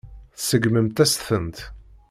Tseggmemt-as-tent.